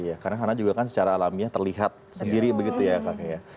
iya karena anak juga kan secara alamnya terlihat sendiri begitu ya kak